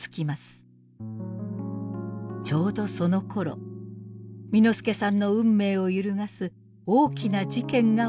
ちょうどそのころ簑助さんの運命を揺るがす大きな事件が起こります。